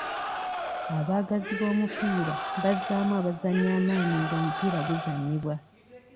Abaagazi b'omupiira bazzaamu abazannyi amaanyi ng'omupiira guzannyibwa.